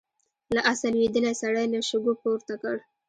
له آسه لوېدلی سړی يې له شګو پورته کړ.